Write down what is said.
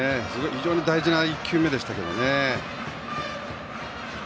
非常に大事な１球目でしたけどね。